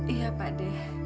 iya pak d